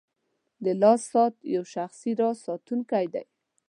• د لاس ساعت یو شخصي راز ساتونکی دی.